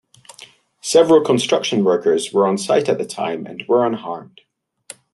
Several construction workers were on site at the time and were unharmed.